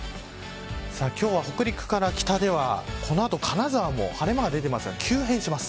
今日は北陸から北ではこの後、金沢も晴れ間が出ていますが、急変します。